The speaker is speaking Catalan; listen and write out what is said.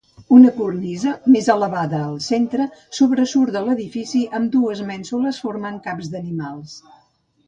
Una cornisa, més elevada al centre, sobresurt de l'edifici, amb unes mènsules formant caps d'animals.